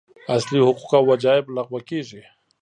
اصلي حقوق او وجایب لغوه کېږي.